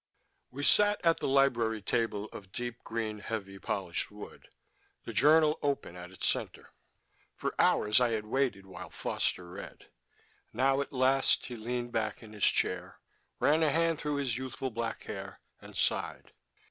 We sat at the library table of deep green, heavy, polished wood, the journal open at its center. For hours I had waited while Foster read. Now at last he leaned back in his chair, ran a hand through the youthful black hair, and sighed.